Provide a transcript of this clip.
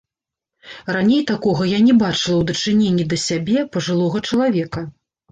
Раней такога я не бачыла ў дачыненні да сябе, пажылога чалавека.